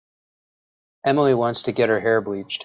Emily wants to get her hair bleached.